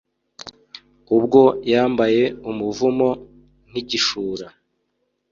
Ubwo yambaye umuvumo nk’igishura